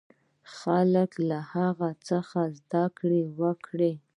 خلکو له هغه څخه زده کړه وکړه.